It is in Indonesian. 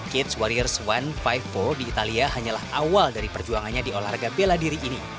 kids warriors one lima empat di italia hanyalah awal dari perjuangannya di olahraga bela diri ini